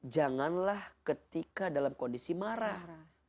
janganlah ketika dalam kondisi marah